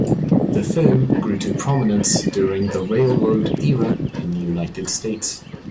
The firm grew to prominence during the railroad era in the United States.